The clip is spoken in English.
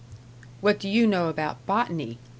"What do you know about botany?"